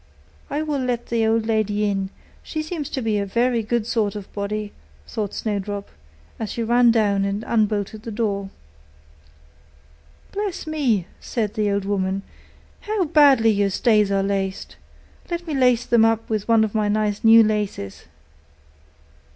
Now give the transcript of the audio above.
'I will let the old lady in; she seems to be a very good sort of body,' thought Snowdrop, as she ran down and unbolted the door. 'Bless me!' said the old woman, 'how badly your stays are laced! Let me lace them up with one of my nice new laces.